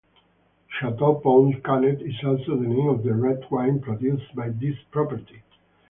Chateau Pontet-Canet is also the name of the red wine produced by this property.